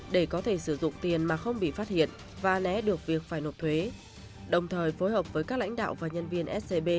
để có thể sử dụng tiền mà không bị phát hiện và lé được việc phải nộp thuế đồng thời phối hợp với các lãnh đạo và nhân viên scb